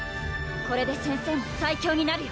これで先生も最強になるよ！